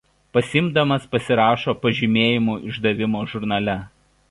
Pasiimdamas pasirašo pažymėjimų išdavimo žurnale.